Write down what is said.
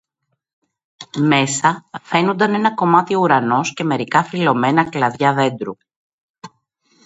Μέσα φαίνουνταν ένα κομμάτι ουρανός και μερικά φυλλωμένα κλαδιά δέντρου.